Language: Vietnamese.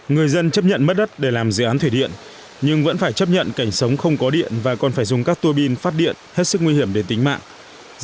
người dân chấp nhận mất đất để làm dự án thủy điện nhưng vẫn phải chấp nhận cảnh sống không có điện và còn phải dùng các tuô bin phát điện hết sức nguy hiểm đến tính mạng